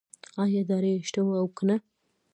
آیا اراده یې شته او کنه؟